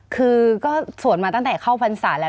คือก็สวดมาตั้งแต่เข้าพรรษาแล้ว